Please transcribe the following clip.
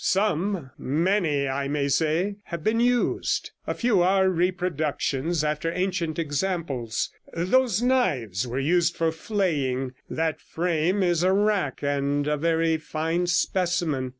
Some — many, I may say — have been used; a few are reproductions after ancient examples. Those knives were used for flaying; that frame is a rack, and a very fine specimen.